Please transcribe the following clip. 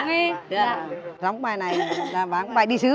gióng bài này là bài đi xứ